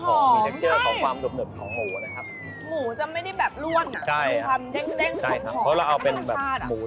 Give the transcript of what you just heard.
แล้วก็ตัวหมูหมูอันนี้หมูนุ่มใช่ไหมครับ